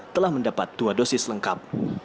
telah mendapat dua dosis lengkap